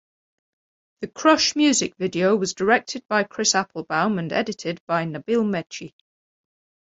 The "Crush" music video was directed by Chris Applebaum and edited by Nabil Mechi.